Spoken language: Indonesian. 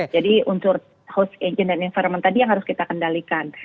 jadi unsur host agent dan environment tadi yang harus kita kendalikan